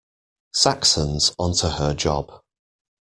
Saxon's onto her job.